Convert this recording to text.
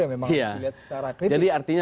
yang memang harus dilihat secara kritis artinya